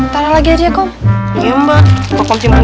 taruh lagi ya kong